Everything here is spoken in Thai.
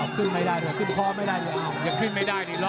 ขึ้นไม่ได้ขึ้นพอไม่ได้